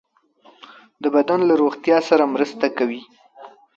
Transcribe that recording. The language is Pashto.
د بدن له روغتیا سره مرسته کوي.